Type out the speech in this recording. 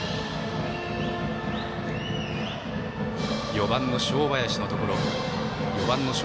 ４番の正林のところ。